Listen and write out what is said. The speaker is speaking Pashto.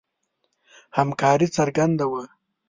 همکاري څرګنده وه.